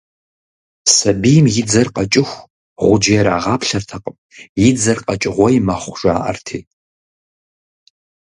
Сабийм и дзэр къэкӀыху гъуджэ ирагъаплъэртэкъым, и дзэр къэкӀыгъуей мэхъу, жаӀэрти.